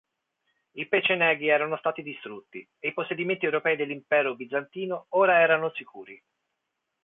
I Peceneghi erano stati distrutti, e i possedimenti europei dell'Impero bizantino ora erano sicuri.